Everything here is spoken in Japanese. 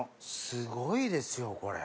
すごいですよこれ。